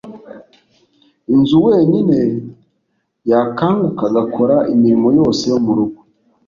inzu wenyine, yakanguka agakora imirimo yose yo murugo